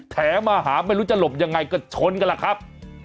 แถมมาหาไม่รู้จะหลบยังไงก็ชนกันล่ะครับ